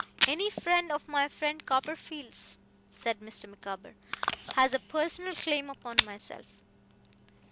'Any friend of my friend Copperfield's,' said Mr. Micawber, 'has a personal claim upon myself.